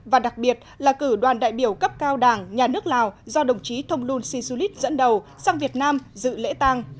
và đặc biệt là cử đoàn đại biểu cấp cao đảng nhà nước lào do đồng chí thông luân si su lít dẫn đầu sang việt nam dự lễ tang